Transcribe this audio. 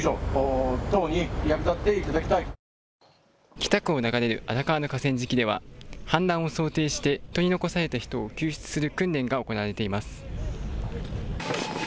北区を流れる荒川の河川敷では氾濫を想定して取り残された人を救出する訓練が行われています。